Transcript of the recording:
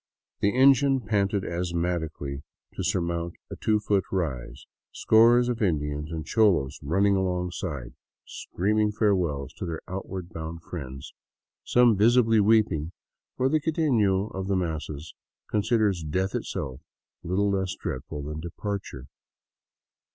The engine panted asthmatically to sur mount a two foot rise, scores of Indians and cholos running alongside, 160 I THE CITY OF THE EQUATOR screaming farewells to their outward bound friends, some visibly weeping for the quitefio of the masses considers death itself Uttle less dreadful than departure.